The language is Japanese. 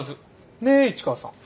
ね市川さん。